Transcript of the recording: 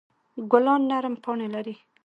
ګلان نرم پاڼې لري.